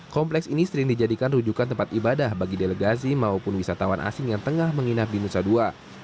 kompleks ini sering dijadikan rujukan tempat ibadah bagi delegasi maupun wisatawan asing yang tengah menginap di nusa dua